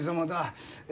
え